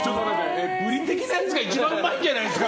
ブリ的なやつが一番うまいじゃないですか！